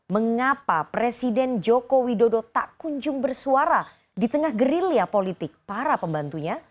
mengapa presiden joko widodo tak kunjung bersuara di tengah gerilya politik para pembantunya